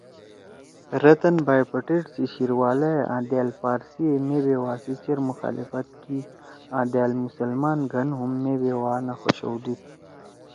رتَن بائی پٹیٹ سی شیِر والا ئے آں دأل پارسی ئے مے بیوا سی چیر مخالفت کی آں دأل مسلمان گھن ہُم مے بیوا نہ خوشودُود